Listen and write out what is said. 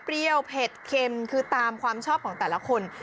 เปรี้ยวเผ็ดเข็มคือตามความชอบของแต่ละคน